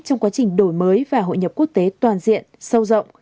trong quá trình đổi mới và hội nhập quốc tế toàn diện sâu rộng